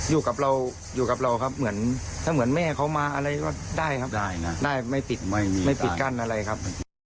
อยู่กับเราอยู่กับเราครับเหมือนถ้าเหมือนแม่เขามาอะไรก็ได้ครับได้นะได้ไม่ปิดไม่มีไม่ปิดกั้นอะไรครับ